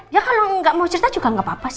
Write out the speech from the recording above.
ya kalau nggak mau cerita juga nggak apa apa sih